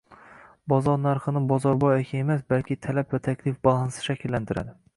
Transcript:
Bozor narxini Bozorboy aka emas, balki Talab va taklif balansi shakllantiradi